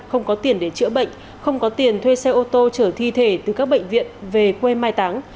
không có tiền để chữa bệnh không có tiền thuê xe ô tô chở thi thể từ các bệnh viện về quê mai táng